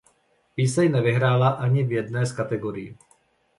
Píseň nevyhrála ani v jedné z kategorií.